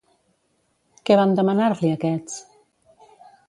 Què van demanar-li aquests?